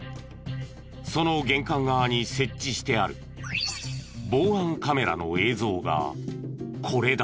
その玄関側に設置してある防犯カメラの映像がこれだ。